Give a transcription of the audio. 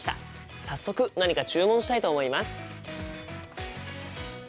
早速何か注文したいと思います！